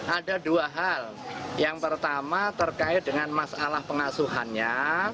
ada dua hal yang pertama terkait dengan masalah pengasuhannya